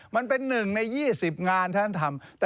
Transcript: มันเป็น๑ใน๒๐งานท่านทำ